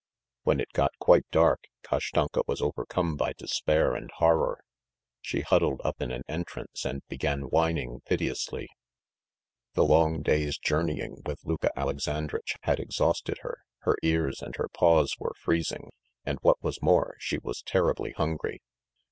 When it got quite dark, Kashtanka was overcome by despair and horror. She huddled up in an entrance and began whining piteously. The long day's journeying with Luka Alexandritch had exhausted her, her ears and her paws were freezing, and, what was more, she was terribly hungry.